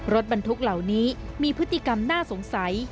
รถบรรทุกเหล่านี้มีพฤติกรรมน่าสงสัย